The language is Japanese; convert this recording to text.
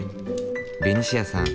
ベニシアさん